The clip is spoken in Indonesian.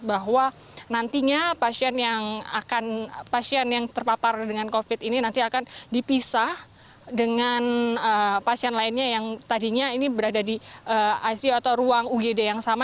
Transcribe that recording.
bahwa nantinya pasien yang akan pasien yang terpapar dengan covid ini nanti akan dipisah dengan pasien lainnya yang tadinya ini berada di icu atau ruang ugd yang sama